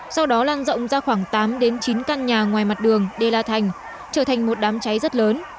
sau đó lan rộng ra khoảng tám chín căn nhà ngoài mặt đường đê la thành trở thành một đám cháy rất lớn